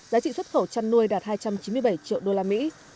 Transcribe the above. giá trị xuất khẩu chăn nuôi đạt hai trăm chín mươi bảy triệu đô la mỹ